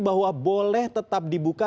boleh tetap dibuka